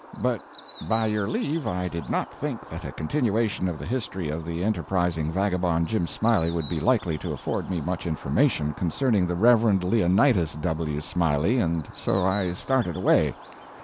But, by your leave, I did not think that a continuation of the history of the enterprising vagabond Jim Smiley would be likely to afford me much information concerning the Rev. Leonidas W. Smiley, and so I started away.